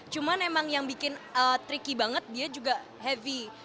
cuman emang yang bikin tricky banget dia juga heavy